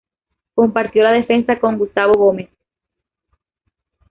Compartió la defensa con Gustavo Gómez.